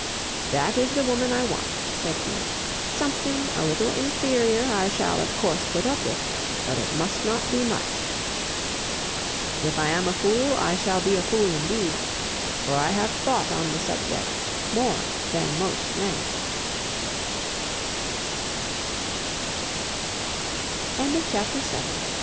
"That is the woman I want," said he. "Something a little inferior I shall of course put up with, but it must not be much. If I am a fool, I shall be a fool indeed, for I have thought on the subject more than most men." CHAPTER VIII.